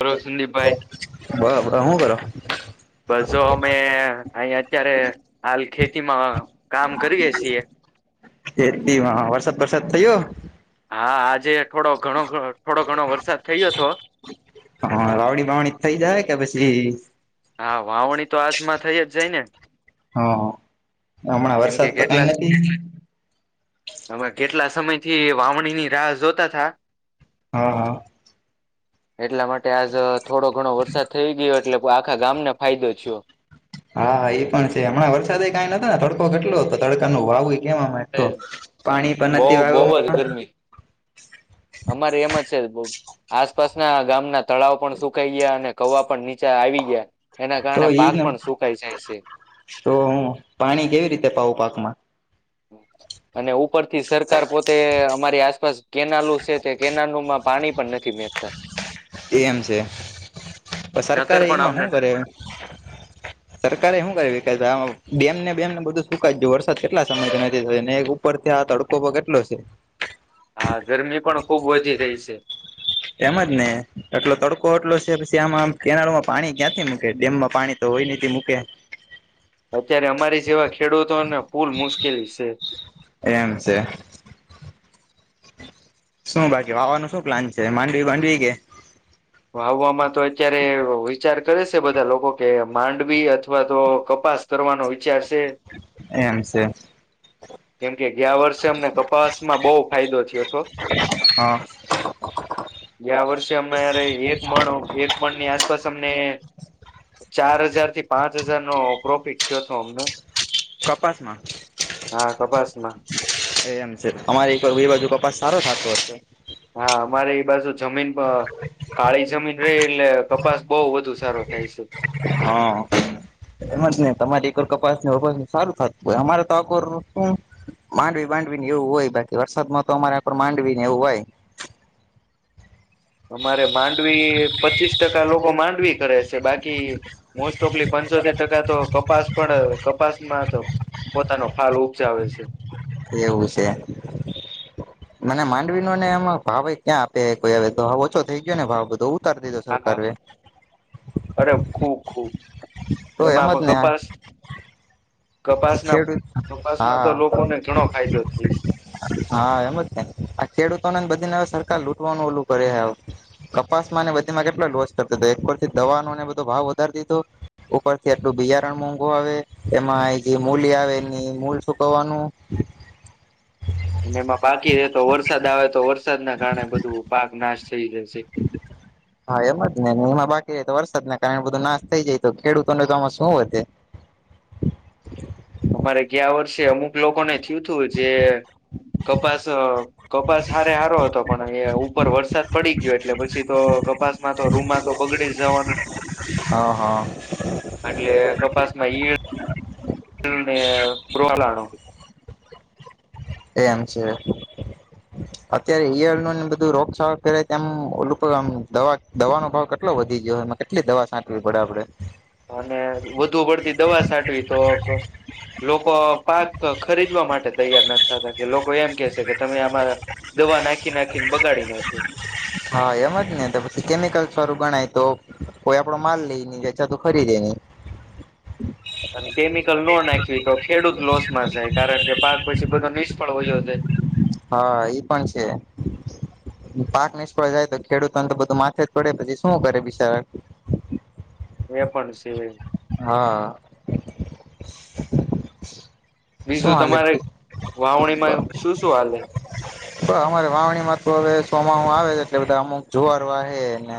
બોલો સંદીપભાઈ બ ભ હું કરો બસો અમે અહી અત્યારે હાલ ખેતીમાં કામ કરીએ છીએ ખેતીમાં વરસાદ વરસાદ થયો જે થોડો ઘણો ઘણો થોડો ઘણો વરસાદ થયો હતો દિસ હા વાવણી તો આજમાં થઈ જ જાય ને હા હમણાં વરસાદ તો કઈ નથી હમે કેટલા સમય થી વાવણી ની રાહ જોતા થા હા હા એટલા માટે આજ થોડો ઘણો વરસાદ થઈ ગયો એટલે આખા ગામને ફાયદો થયો હા એ પણ છે હમણાં વરસાદે કઈ નતા ને તડકો કેટલો હતો તડકાનો વાવે કેવામાં તો પાણી પણ બહુ નથી વા બહુ જ ગરમી અમારે એમ જ છે આસપાસના ગામના તળાવો પણ શું કાઈ ગયા અને કવા પણ નીચે આવી ગયા એના તો કારણે પાક ઈન પણ સુકાઈ જાય છે તો હું પાણી કેવી રીતે પાવ પાકમાં? [inaudible] અને ઉપરથી સરકાર પોતે અમારી આસપાસ કેનાલો છે તે કેનાલોમાં પાણી પણ નથી મેકતા. એમ છે, નકર સરકારે પણ એમાં અમને શું કરે? સરકારે હું કરવી ડેમ ને બેમ ને બધું સુકા જ્યું વરસાદ કેટલા સમયથી નથી થ ઉપર થી આ તડકો પણ કેટલો સે. હા, ગરમી પણ ખુબ વધી રહી છે. એમ જ ને એટલો તડકો એટલો છે પછી આમાં કેનાલોમાં પાણી ક્યાંથી મૂકે ડેમમાં પાણી તો કોઈ નીતિ મૂકે. અત્યારે અમારી જેવા ખેડૂતોને પુલ મુશ્કેલ છે. એમ છે. શું બાકી વાવા નું શું પ્લાન છે માંડવી બાંડવી કે? ભાવવામાં તો અત્યારે વિચાર કરે સે બધા લોકો કે માંડવી અથવા તો કપાસ તરફ કરવાનો વિચાર છે એમ સે. કેમકે ગયા વર્ષે અમને કપાસમાં બહુ ફાયદો થયો હતો. હા ગયા વર્ષે હમારે એક મણો એક મણ ની આસ પાસ અમને ચાર હજાર થી પાંચ હજાર નો પ્રોફિટ થયો તો અમને. છ પાકમાં? હા કપાસમાં. એ એમ છે, અમારે એક વાર બી બાજુ કપાસ સારો થાતો હશે. હા, અમારે એ બાજુ જમીન કાળી જમીન રહી એટલે કપાસ બહુ વધુ સારો થાય છે. હા. એમાં જ ને તમારી એકર કપાસની વપાસ સારું થતું હોય અમારે તો આકોર હું માંડવી બાંડવી ને એવું હોય બાકી વરસાદ માં તો અમારે પણ માંડવીને એવું હોય. અમારે માંડવી પચીસ ટકા લોકો માંડવી કરે છે. બાકી મોસ્ટઓફલી પંચોતેર ટકા તો કપાસ પણ કપાસમાં તો પોતાનો ફાલ ઉપજાવે છે. એવું છે. મને માંડવીનો ને એમાં ભાવ એ ક્યાં આપે કોઈ હવે તો ઓછો થઈ ગયો ને ભાવ બધો તાર દીધો હા સરકારે. અરે ખુબ ખુબ એમાં પણ કપાસ કપાસના છેટું, કપાસમાં હા. તો લોકોને ઘણો ફાયદો થાય છે હા, એમ જ થાય આ ખેડૂતોનેને બધીને હવે સરકાર લૂટવાનું ઓલું કરે હાવ. કપાસ માં ને બધીમાં કેટલા લોસ કરતો એક પરથી દવાનો ને બધો ભાવ વધાર દીધો ઉપરથી આટલું બીજારણ મોંઘું આવે એમાં આ જે મૂલી આવેની મૂલ શુંકવવાનું અને એમાં બાકી રે તો વરસાદ આવે તો વરસાદના કારણે બધું પાક નાશ થઈ જાય છે હા, એમ જ ને એમાં બાકી તો વરસાદ ના કારણે બધું નાશ થઈ જાય તો ખેડૂતોને તો આમાં શું વધે. અમારે ગયા વર્ષે અમુક લોકોને થયું તું જે કપાસ અ કપાસ હારે હારો હતો પણ એ ઉપર વરસાદ પડી ગયો એટલે પછી તો કપાસમાં તો રૂમમાં તો બગડી જવાનું. હા હા એટલે કપાસમાં ઈળ ને પરવાળ આડ. એમ છે. અત્યારે ઈયડનો ને બધું રોગચાળા કરે તેમ ઓલોકોઆમ દવા દવાનો ભાવ કેટલો વધી ગયો. માં કેટલી દવા સાટવી પડે આપડે અને વધુ પડતી દવા સાટવી તો લોકો પાક ખરીદવા માટે તૈયાર ના થતા કે લોકો એમ કેશે કે તમે આમાં દવા નાખી નાખીને બગાડે ડી નાખયો હા એમજ ને તો પછી કેમિકલ્સ વાળું ગણાય તો કોઈ આપડો માલ લેઈ ની જાય અથવા તો ખરીદેની [unintelligible] અને કેમિકલ ન નાખવી તો ખેડૂત લોસ માં જાય કારણ કે પાક પછી બધો નિષ્ફળ હોય ઓદે હા એ પણ છે. પાક નિષ્ફળ જાય તો ખેડૂતોને તો બધું માથેજ પડે પછી શું કરે બિચારા હ [unintelligible] એ પણ છે. હા. શું બીજું હાલે તમારે વાવણીમાં શું શું હાલે? અમારે વાવણીમાં તો હવે ચોમાહુ આવે એટલે બધા અમુક જુવાર વાહેને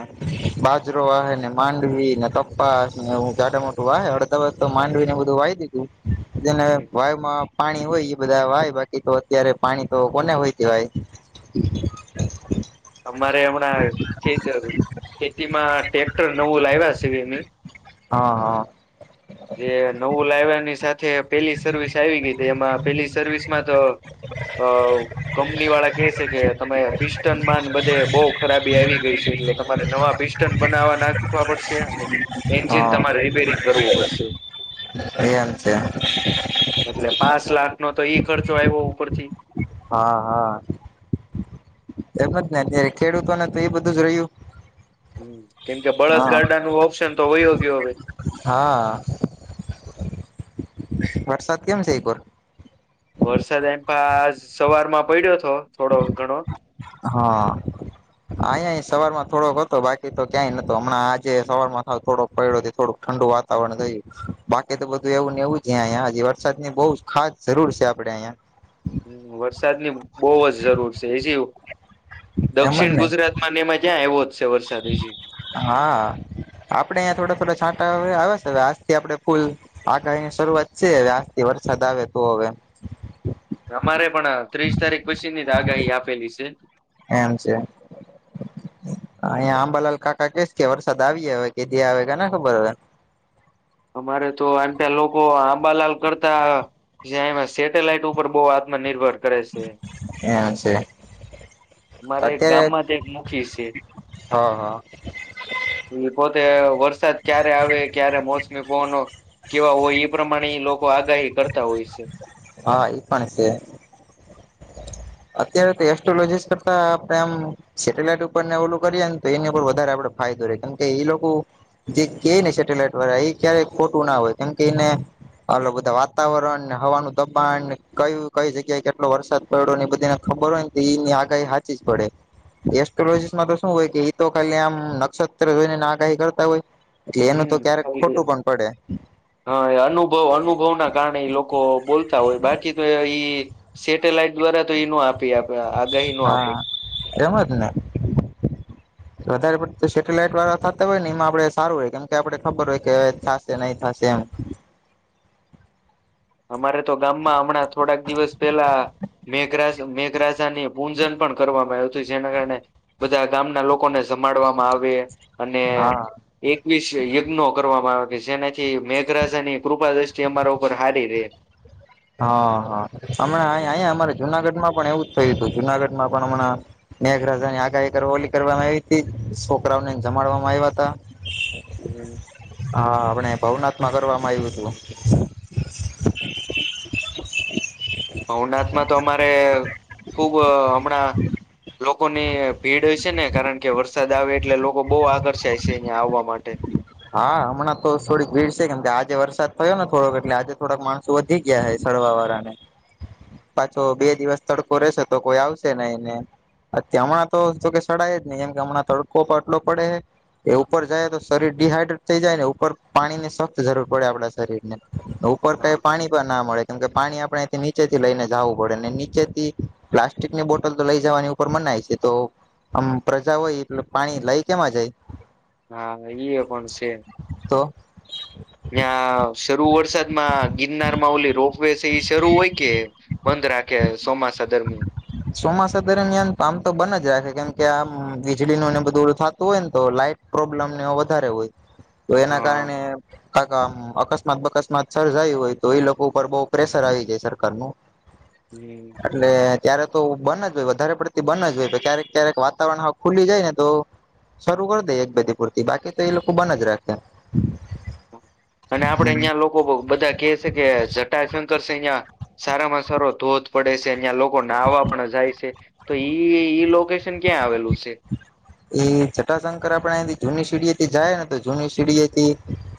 બાજ રો વાહેને માંડવી ને તપાસ નેવુ જાટા મોટું વાહે [unintelligible] માંડવીને બધું વાય દીધું વાયમાં પાણી હોય એ બધા વાય બાકી તો અત્યારે પાણી તો કોને હોયકેવાય અમારે હમણાં કેતરુ ખેતીમાં ટ્રેક્ટર નવું લાવ્યા છે, વીમી હા જે નવું લાવ્યાની સાથે પેલી સર્વિસ આવી ગઈ હતી એમાં પેલી સર્વિસ માં તો અ કંપની વાળા કે છે, કે તમે પિસ્ટન માં બધે બો ખરાબી આવી ગઈ છે, એટલે તમારે નવા પિસ્ટન બનાવવા નાખવા પડશે એન હા જીન તમારે રિપેરિંગ કરવું પડશે. એ એમ છે. એટલે પાંચ લાખનો તો ઈ ખર્ચો આવ્યો ઉપરથી હા હા એમ જ ને અત્યારે ખેડૂતોને તો એ બધું જ રહ્યું હમ કેમકે હા બળદગાડા નું ઓપ્શન તો વયોગ્ય હવે [inaudible] વરસાદ કેમ છે? એ કોર વરસાદ એમ પા સવારમાં પડ્યો હતો થોડો ઘણો હા. આયાય સવારમાં થોડોક હતો બાકી તો ક્યાંય નતો હમણાં આજે સરવારમા થોડોક પયડો તે થોડોક ઠંડું વાતાવરણ થયું બાકી તો બધું એવું ને એવું જ અયા હજી વરસાદ ની બો ખાસ જરૂર છે, આપ ડે અયા હમ વરસાદની બોવ જ જરૂર છે, એજીવું એમ દક્ષિણ જ ને ગુજરાતમાં ને નેમા જયા આયવો હા આપડે અહયા થોડા થોડા છાટ ટા અવે આવે છે, આજથી આપણે ફૂલ આગાહીની શરૂઆત છે, હવે આજથી વરસાદ આવે તો હવે અમારે પણ ત્રીસ તારીખ પછીની આગાહી આપેલી છે. એમ છે. અહીંયા આંબાલાલ કાકા કેસ કે વરસાદ આવીએ હવે કેદી આવે કેને ખબર અંબાલાલ કરતા જ્યામાં સેટેલાઈટ ઉપર બો આત્મનિર્ભર કરે એમ છે. મારા એક અત્યારે ગામમાંથી એક મુખી છે, હ હ એ પોત તે વરસાદ ક્યારે આવે ક્યારે મોસમી પવનો કેવા હોય એ પ્રમાણે લો કો આગાહી કરતા હોય છે. હા એ પણ છે. અત્યારે તો એસ્ટ્રોલોજીસ કરતા આપડે આમ સેટેલાઈટ ઉપર ને ઓલું કરીએે ન તો એની ઉપર વધારે આપડે ફાયદો રહેે કેમકે એ લોકો જે ક ને સેટેલાઈટ વાળા એ ક્યારે ખોટું ના હોય કેમકે એને હલો બધા વાતાવરણ હવાનું દબાણ કયું કઈ જગ્યાએ કેટલો વરસાદ પડ્યો બધ તેને ખબર હોય ને તો એની આગાહી હાચી જ પડે. એસ્ટ્રોલોજીસમાં તો શું હોય કે એ તો ખાલી આમ નક્ષત્ર જોઈને આગાહી કરતા હોય. એટલે એનું તો ક્યારેક ખોટું પણ પડે હા એ અનુભવ અનુભવ ના કારણે લોકો બોલતા હોય બાકી તો ઈ સેટેલાઈટ દ્વારા તો એઈ ન આપી આપ આગાહી ન આપે. એમત ને. વધારે પડ સેટેલાઈટ વાળા થતા હોય ને એમાં આપડે સારું હોય કેમ કે આપડે ખબર હોય કે થશે નહી થશે એમ. [inaudible] અમારે તો ગામમાં હમણાં થોડાક દિવસ પેલા મેઘરા મેઘ રાજા ને પૂજન પણ કરવામાં આવ્યું હતું જેના કારણે બધા ગામના લોકોને સમાડવામાં આવે. અને હા. એકવીસ યજ્ઞો કર કરવામાં આવે જેનાથી મેઘરાજાની કૃપા દ્રષ્ટિ અમારા ઉપર હારી રેય. હા હા હમણાં અહીયા અમારે જુનાગઢમાં પણ એવું જ થયું હતું જુનાગઢમાં પણ હમણાં મેઘરાજા ની આગા એક ઓલી કરવામાં આવી હતી છોકરાઓને જમાડવામાં આવ્યા હતા. હા આપણે પહુ માં કરવામાં આવ્યું હતું. ભવનાથમાં તો અમારે ખુબ હમણાં લોકોની ભીડ છે ને કારણ કે વરસાદ આવે એટલે લોકો બહુ આકર્ષાય છે અહિયાં આવવા માટે. હા હમણાં તો થોડીક ભીડ છે કેમ કે આજે વરસાદ થયો ને થોડોક એટલે આજે થોડાક માણસો વધી ગયા. ડવા વાળાને પાછો બે દિવસ તડકો રહેશે તો કોઈ આવશે ને એને. અ હમણાં તો કે શળાય જ નહી એમ કે હમણાં તડકો પણ આટલો પડે. એ ઉપર જાય તો શરીર ડડીહાઈડ્રેટ થઈ જાય ને ઉપર પાણી ની સખ્ત જરૂર પડે આપડા શરીર ને ઉપર કઈ હા પાણી પણ ના મળે. કેમ કે પાણી આપણેથી નીચેથી લઈને જવું પડે ને નીચેથી પ્લાસ્ટિક ની બોટલ તો લઈ જવાની ઉપર મના ઈ થાય તો આમ પ્રજા હોય એટલે પાણી લઈ કેમાં જાય હા ઈ પણ છે. [inaudible] ત્યાં શરૂ વરસાદમાં ગિરનાર માં ઓલી રોપ વે એ શરૂ હોય કે બંધ રાખે? આ કે સોમાસા દરમી ચોમાસા દરમિયાન પામ તો બન જ રાખે. કે આમ વીજળીનુંને બધું નો થતું હોય ને તો લાાઈટ પ્રોબ્લેમને વધારે હોય. તો એના હ કારણે કા આમ અકસ્માત બકસ્માત સર્જાયું હોય તો એ લોકો ઉપર બઉ પ્રેશર આવી જાય સરકાર નું. હમ એટલે ક્યારે તો બન જ હોય વધારે પડતી બન જ હોય ક્યારેક ક્યારેક વાતાવરણ ખુલી જાય ને તો શરૂ કરી દે એક બાજી પૂરતી બાકી તો એ લોકો બન જ રાખે. અને આપડે અહિયાં લોકો બધા કે છે કે જટાશંકર છે અહિયાં સારામાં સારો ધોધ પડે છે અહં લોકો નાહવા પણ જાય છે તો ઈ ઈ લોકેશન ક્યાં આવેલું છે? એ જટાશંકર આપણે એથી જૂની સીડી થી જાય ને તો જૂની સીડીએથી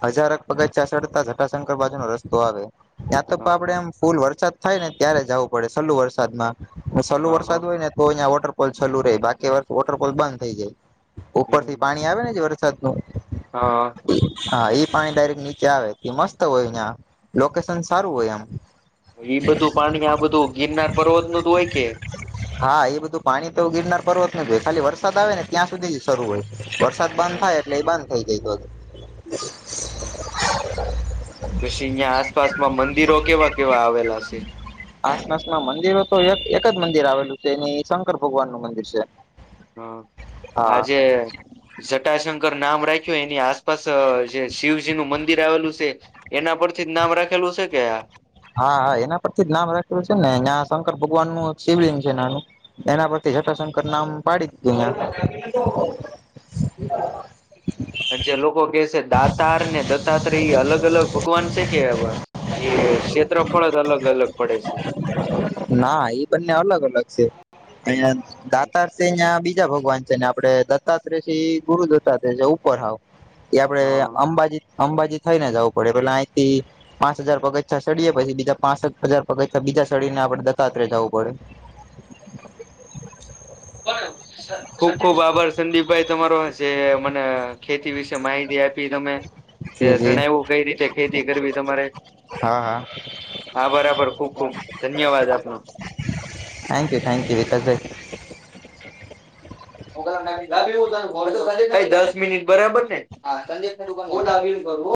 હજારક પગચા સડતા જટાશંકર બાજુ નો રસ્તો આવે. ત્યાં તો હા આપડે હા એમ ફૂલ વરસાદ થાય ને ત્યારે જવું પડે છેલ્લું વરસાદ માં. સલું હા હા વરસાદ હોય ને તો અહંયા વોટરપોલ ચાલુ રહે બાકી વોટરપોલ બંધ થઇ જાય. ઉપરથી હમ પાણી આવે ને જે વરસાદનું. હા. હા એ પાણી ડાયરેક્ટ નીચે આવે મસ્ત હોય અહીંયા લોકેશન સારું હોય એમ. ઈ બધું પાણી આ બધું ગિરનાર પર્વત ન હોય કે હા એ બધું પાણી તો ગીરનાર પર્વત ખાલી વરસાદ આવે ને ત્યાં સુધી જ શરૂ હોય વરસાદ બંધ થાય એટલે એ બંધ થઈ જાય [unintelligible] હમ. પછી અહિયા આસપાસમાં મંદિરો કેવા કેવા આવેલા છે? મંદિરો તો એક એક જ એની શંકર ભગવાનનું મંદિર છે. હા હા આજે જટાશંકર નામ રાખ્યું એની આસપાસ જે શિવજીનું મંદિર આવેલું છે એના પર થી જ નામ રાખેલું. [unintelligible] હા હા એના પરથી જ નામ રાખેલું છે ને જ્યાં શંકર ભગવાનનું શિવલિંગ છે નાનું એના પરથી જઠાશંકર નામ પાડી દીધું અહયા. જે લોકો કે છે દાતારને દત્તાત્રય અલગ અલગ ભગવાન છે? કે એ ક્ષેત્રફળ જ અલગ અલગ પડે છે. ના એ બંને અલગ અલગ છે. અ દાતાર છે અહ બીજ બીજા ભગવાન છે ને આપણે દત્તાત્રેય છે એ ગુરુ દત્તાત્રય છે ઉપર હાવ. એ આપડે હા અંબાજી અંબાજી થઈને જવું પડે પેલા અહીંથી પાંચ હજાર પગચા ચડીએ પછી બીજા પાંસ હજાર પગ બીજા ચઢીને આપડે દતાત્રય જાવું પડે. ખુબ ખુબ આભાર સંદીપભાઈ તમારો જે મને ખેતી વિશે માહિતી આપી. કે તમે જે જી જી જણાવ્યું કઈ રીતે ખેતી કરવી તમારે. હા હા આભાર આભાર ખુબ ખુબ ધન્યવાદ આપનો. થેન્કયુ થેન્કયુ વિકાસભાઈ. [unintelligible] દસ મિનિટ બરાબરને? હું તને કોલ કરું.